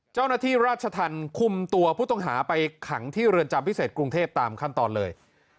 เจ้าหน้าที่ราชธรรมคุมตัวผู้ต้องหาไปขังที่เรือนจำพิเศษกรุงเทพตามขั้นตอนเลย